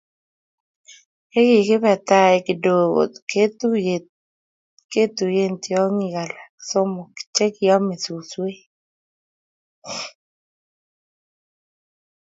Ye kikibe tai kidogo ketuye tiong'ik alak somok che kiame suswek